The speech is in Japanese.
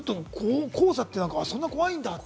黄砂ってそんな怖いんだって。